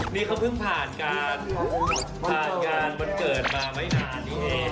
นี่เขาเพิ่งผ่านกรหารปรากฏมาไม่นาน